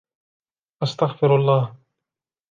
أستغفر الله.